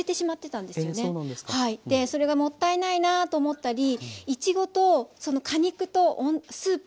それがもったいないなと思ったりいちごとその果肉とスープ